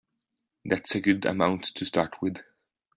That's a good amount to start with.